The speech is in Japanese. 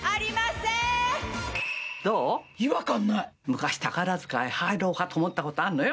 昔、宝塚に入ろうと思ったことあるのよ。